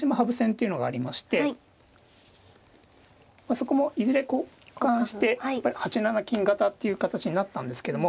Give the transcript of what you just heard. そこもいずれ交換してやっぱり８七金型っていう形になったんですけども。